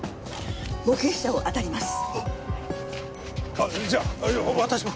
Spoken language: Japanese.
あじゃあ私も。